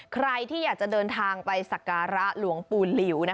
ใครที่อยากจะเดินทางไปสักการะหลวงปู่หลิว